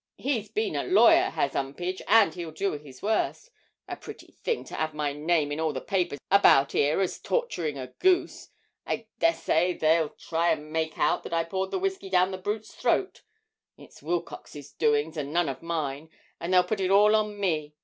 He's been a lawyer, has 'Umpage, and he'll do his worst. A pretty thing to 'ave my name in all the papers about 'ere as torturing a goose! I dessay they'll try and make out that I poured the whisky down the brute's throat. It's Wilcox's doings, and none of mine; but they'll put it all on me.